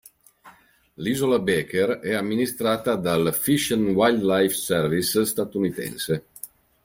L'isola Baker è amministrata dal "Fish and Wildlife Service" Statunitense.